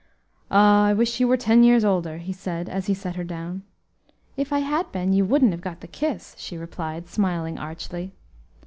"Ah! I wish you were ten years older," he said as he set her down. "If I had been, you wouldn't have got the kiss," she replied, smiling archly.